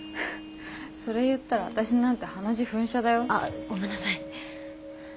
それ言ったら私なんて鼻血噴射だよ。ああごめんなさい。